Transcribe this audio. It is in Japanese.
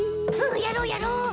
やろうやろう。